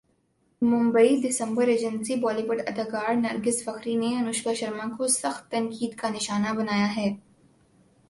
ممبئی دسمبرایجنسی بالی وڈ اداکارہ نرگس فخری نے انوشکا شرما کو سخت تنقید کا نشانہ بنایا ہے